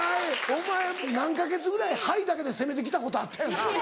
お前何か月ぐらい「はい」だけで攻めてきたことあったよな。